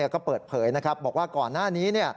ก็เปิดเผยนะครับบอกว่าก่อนหน้านี้